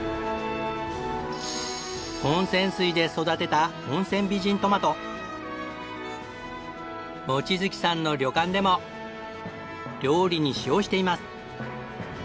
温泉水で育てた望月さんの旅館でも料理に使用しています。